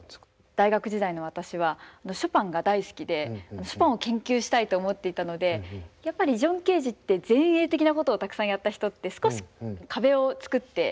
大学時代の私はショパンが大好きでショパンを研究したいと思っていたのでやっぱりジョン・ケージって前衛的なことをたくさんやった人って少し壁を作ってしまっていたんですよね。